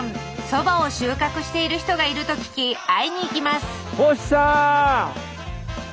そばを収穫している人がいると聞き会いに行きます